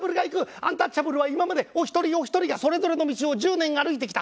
アンタッチャブルは今までお一人お一人がそれぞれの道を１０年歩いてきた。